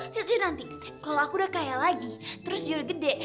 siap siap nanti kalau aku udah kaya lagi terus dia udah gede